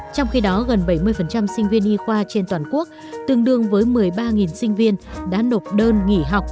trong khi đó gần bảy mươi sinh viên y khoa trên toàn quốc tương đương với một mươi ba sinh viên đã nộp đơn nghỉ học